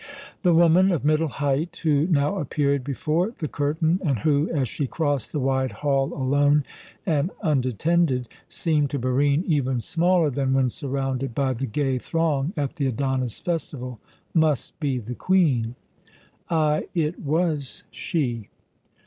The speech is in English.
The woman of middle height who now appeared before the curtain, and who, as she crossed the wide hall alone and unattended, seemed to Barine even smaller than when surrounded by the gay throng at the Adonis festival, must be the Queen. Ay, it was she!